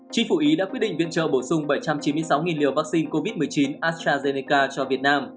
chính phủ ý đã quyết định viện trợ bổ sung bảy trăm chín mươi sáu liều vaccine covid một mươi chín astrazeneca cho việt nam